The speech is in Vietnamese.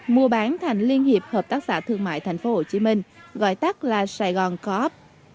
mua bán thành liên hiệp hợp tác xã thương mại tp hcm gọi tắt là sài gòn co op